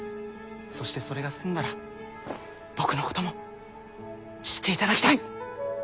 そしてそれが済んだら僕のことも知っていただきたい。